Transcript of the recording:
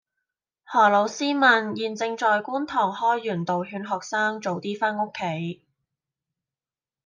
何老師問現正在觀塘開源道勸學生早啲返屋企